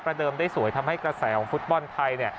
เดิมได้สวยทำให้กระแสของฟุตบอลไทย